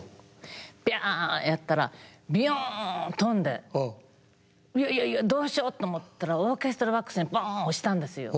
ビャンやったらビヨン飛んでいやいやいやどうしようって思ったらオーケストラボックスにボン落ちたんですよ。